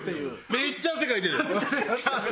めっちゃ汗かいてる。